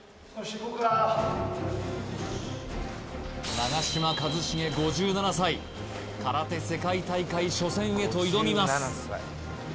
長嶋一茂５７歳空手世界大会初戦へと挑みます